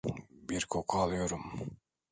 Bir koku alıyorum.